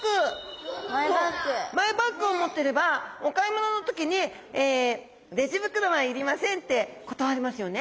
マイバッグを持ってればお買い物の時に「レジ袋はいりません」って断りますよね。